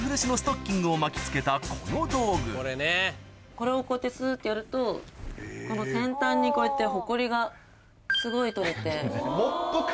これをこうやってスってやるとこの先端にこうやってホコリがすごい取れて。